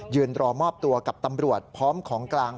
รอมอบตัวกับตำรวจพร้อมของกลาง